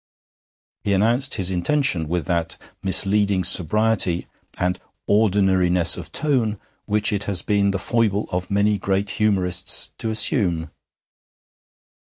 He announced his intention with that misleading sobriety and ordinariness of tone which it has been the foible of many great humorists to assume.